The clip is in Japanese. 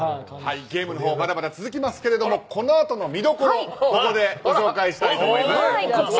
ゲームのほうまだまだ続きますがこのあとの見どころをここでご紹介したいと思います。